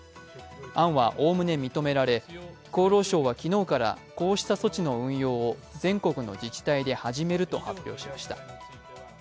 案はおおむね認められ厚労省は昨日からこうした措置の運用を全国の自治体で始めると発表しました。